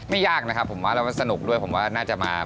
ไม่ยากนะครับผมว่าเราก็สนุกด้วยผมว่าน่าจะมา